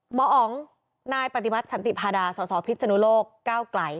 หมออ๋องนายปฏิบัติสันติภาดาสศพิศนุโลกเก้ากลาย